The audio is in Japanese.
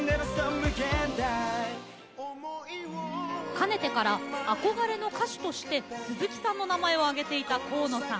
かねてから憧れの歌手として鈴木さんの名前を挙げていた河野さん。